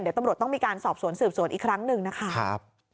เดี๋ยวตำรวจต้องมีการสอบสวนสืบสวนอีกครั้งหนึ่งนะคะ